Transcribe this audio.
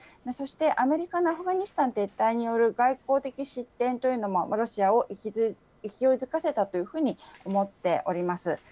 そしてアメリカのアフガニスタン撤退による外交的失点というのも、ロシアを勢いづかせたというふうに思っております。